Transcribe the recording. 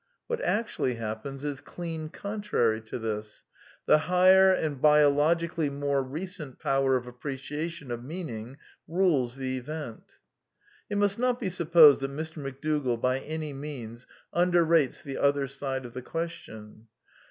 What actually happens is clean contrary to this — the higher, and biologically more recent, power of appreciation of meaning rules the event. It must not be supposed that Mr. McDougall by any means underrates the other side of the question.